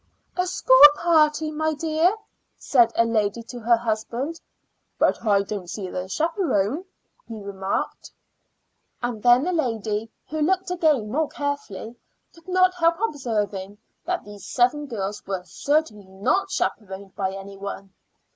"A school party, my dear," said a lady to her husband. "But I don't see the chaperone," he remarked. And then the lady, who looked again more carefully, could not help observing that these seven girls were certainly not chaperoned by any one.